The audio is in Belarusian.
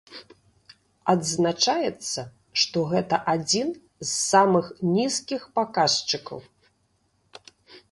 Адзначаецца, што гэта адзін з самых нізкіх паказчыкаў.